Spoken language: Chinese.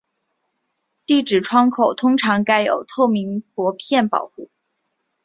地址窗口通常盖有透明薄片保护。